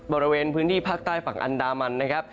บริเวณพื้นที่ภาคใต้ฝั่งอันดามันนะครับ